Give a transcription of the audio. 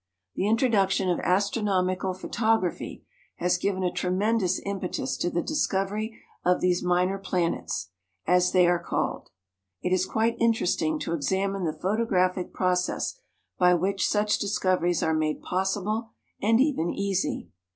The introduction of astronomical photography has given a tremendous impetus to the discovery of these minor planets, as they are called. It is quite interesting to examine the photographic process by which such discoveries are made possible and even easy.